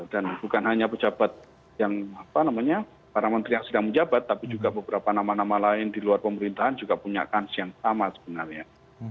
dan bukan hanya pejabat yang apa namanya para menteri yang sedang menjabat tapi juga beberapa nama nama lain di luar pemerintahan juga punya kans yang sama sebenarnya